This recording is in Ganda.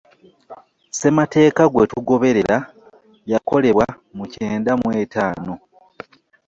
Ssemateeka gwe tugoberera yakolebwa mu kyenda mu etaano.